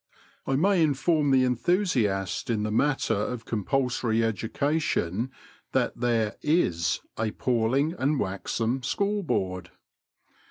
I may inform the enthusiast in the matter of compulsory education that there is a Palling and Waxham School Board.